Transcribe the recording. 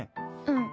うん。